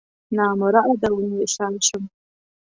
نامراده وم، وصال شوم